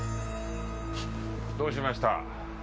どうしました？